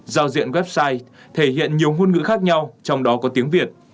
giao diện website thể hiện nhiều ngôn ngữ khác nhau trong đó có tiếng việt